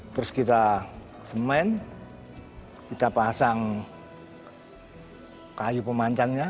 terus kita semen kita pasang kayu pemancangnya